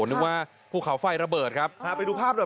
นึกว่าภูเขาไฟระเบิดครับพาไปดูภาพหน่อย